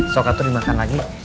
sokak tuh dimakan lagi